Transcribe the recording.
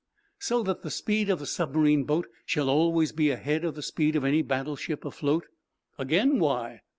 "So that the speed of the submarine boat shall always be ahead of the speed of any battleship afloat." "Again, why?"